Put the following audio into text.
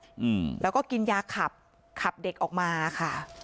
อืมแล้วก็กินยาขับขับเด็กออกมาค่ะ